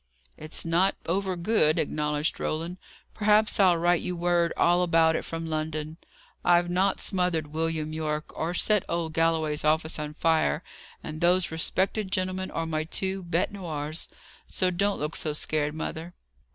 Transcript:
"It's not over good," acknowledged Roland. "Perhaps I'll write you word all about it from London. I've not smothered William Yorke, or set old Galloway's office on fire, and those respected gentlemen are my two bêtes noires. So don't look so scared, mother."